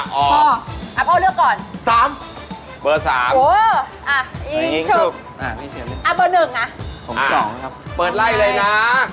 ของสองครับฟาร์ทกรรมอายังไงครับสามเมื่อกาถอย่างเวน